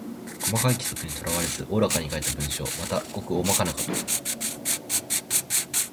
細かい規則にとらわれず大らかに書いた文章。また、ごく大まかなこと。